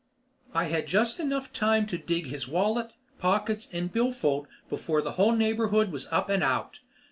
I had just enough time to dig his wallet, pockets, and billfold before the whole neighborhood was up and out.